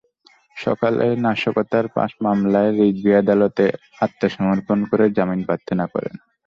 সকালে নাশকতার পাঁচ মামলায় রিজভী আদালতে আত্মসমর্পণ করে জামিনের প্রার্থনা করেন।